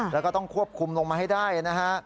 แล้วก็ต้องควบคุมลงมาให้ได้นะฮะ